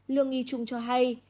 lương y trung cho hay